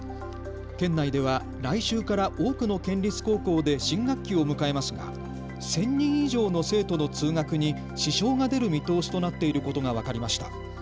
県内では来週から多くの県立高校で新学期を迎えますが１０００人以上の生徒の通学に支障が出る見通しとなっていることが分かりました。